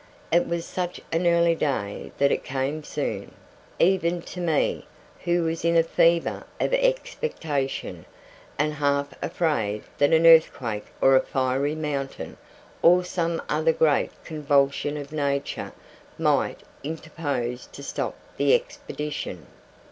It was such an early day that it came soon, even to me, who was in a fever of expectation, and half afraid that an earthquake or a fiery mountain, or some other great convulsion of nature, might interpose to stop the expedition.